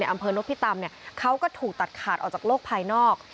ในอำเภอนกลุ่นพิธรรมค้าก็ถูกตัดขาดออกจากโรคภายนอก